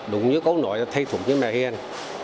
đúng như có nỗi thầy thuốc như mẹ hiền